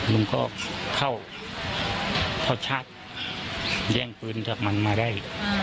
ลุงก็เข้าชาติแย่งปืนมันมาได้